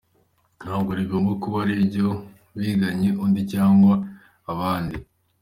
Ntabwo rigomba kuba ari iryo wiganye undi cyangwa abandi.